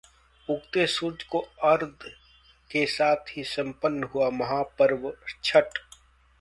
उगते सूर्य को अर्घ्य के साथ ही संपन्न हुआ महापर्व छठ